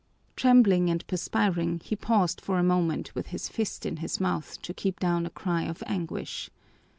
Trembling and perspiring, he paused for a moment with his fist in his mouth to keep down a cry of anguish.